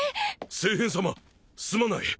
聖変様すまない